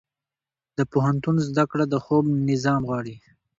د پوهنتون زده کړه د خوب نظم غواړي.